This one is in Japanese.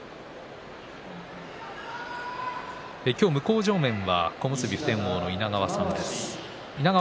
今日、向正面は小結普天王の稲川さんです。